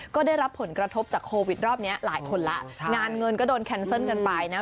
ก็ได้รับผลกระทบจากโควิดรอบเนี้ยหลายคนแล้วงานเงินก็โดนแคนเซิลกันไปนะ